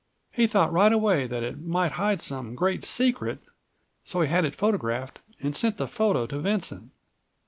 "He thought right away that it might hide some great secret, so he had it photographed and sent the photo to Vincent.